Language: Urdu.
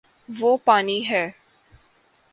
وہ پانی ہے